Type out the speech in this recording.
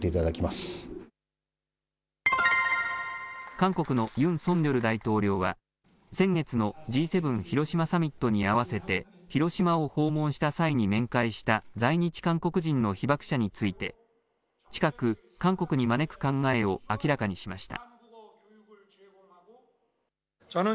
韓国のユン・ソンニョル大統領は、先月のＧ７広島サミットに合わせて、広島を訪問した際に面会した在日韓国人の被爆者について、近く韓国に招く考えを明らかにしました。